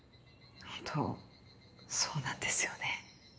ホントそうなんですよね。